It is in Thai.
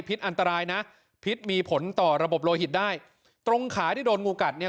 อันตรายนะพิษมีผลต่อระบบโลหิตได้ตรงขาที่โดนงูกัดเนี่ย